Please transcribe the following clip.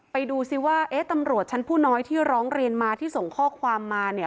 ไปดูซิว่าเอ๊ะตำรวจชั้นผู้น้อยที่ร้องเรียนมาที่ส่งข้อความมาเนี่ย